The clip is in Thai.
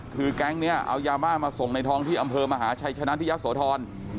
คือแก๊งนี้เอายาบ้ามาส่งในท้องที่อำเภอมหาชัยชนะที่ยะโสธร